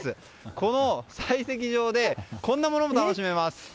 この採石場でこんなものも楽しめます。